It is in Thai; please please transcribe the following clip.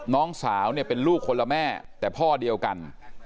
น้องสาวเนี่ยเป็นลูกคนละแม่แต่พ่อเดียวกัน